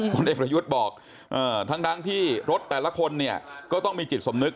ผลเอกประยุทธ์บอกทั้งที่รถแต่ละคนเนี่ยก็ต้องมีจิตสำนึก